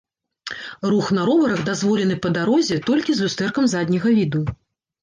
Рух на роварах дазволены па дарозе толькі з люстэркам задняга віду.